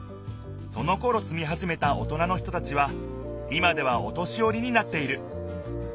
そのころすみはじめたおとなの人たちは今ではお年よりになっている。